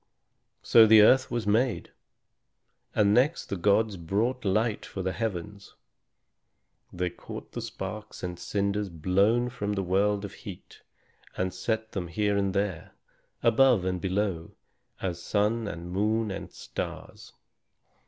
So the earth was made. And next the gods brought light for the heavens. They caught the sparks and cinders blown from the world of heat, and set them here and there, above and below, as sun and moon and stars.